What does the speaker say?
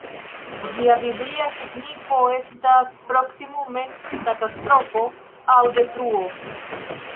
Ĝia biblia signifo estas proksimume ‹katastrofo› aŭ ‹detruo›.